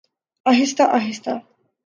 آہستہ آہستہ۔